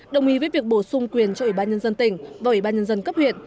đồng ý với việc bổ sung quyền cho ủy ban nhân dân tỉnh và ủy ban nhân dân cấp huyện